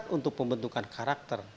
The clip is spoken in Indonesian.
dikat untuk pembentukan karakter